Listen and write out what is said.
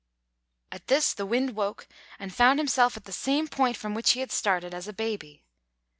At this, the Wind woke and found himself at the same point from which he had started as a baby.